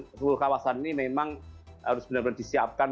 seluruh kawasan ini memang harus benar benar disiapkan